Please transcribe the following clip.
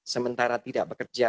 sementara tidak bekerja